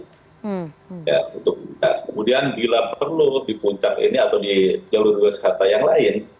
kemudian bila perlu di puncak ini atau di jalur wisata yang lain